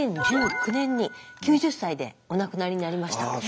２０１９年に９０歳でお亡くなりになりました。